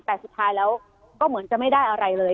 แต่สุดท้ายแล้วก็เหมือนจะไม่ได้อะไรเลย